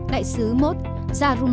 đại sứ một jamroony khalid